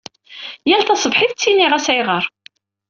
Yal taṣebḥit ttiniɣ-as ayɣer.